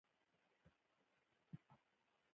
لور یې نه وه اریان ولاړل.